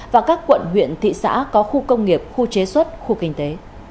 và các quận huyện thị xã có khu công nghiệp khu chế xuất khu kinh tế